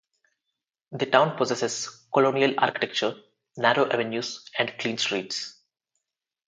The town possesses colonial architecture, narrow avenues, and clean streets.